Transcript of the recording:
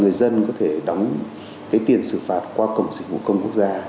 người dân có thể đóng cái tiền xử phạt qua cổng dịch vụ công quốc gia